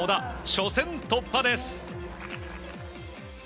初戦突破です。